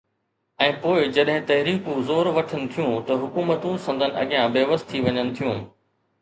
۽ پوءِ جڏهن تحريڪون زور وٺن ٿيون ته حڪومتون سندن اڳيان بي وس ٿي وڃن ٿيون.